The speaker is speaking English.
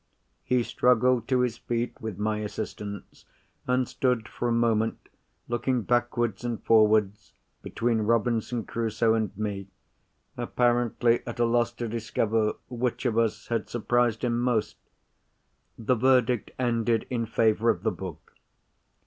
He struggled to his feet with my assistance, and stood for a moment, looking backwards and forwards between Robinson Crusoe and me, apparently at a loss to discover which of us had surprised him most. The verdict ended in favour of the book.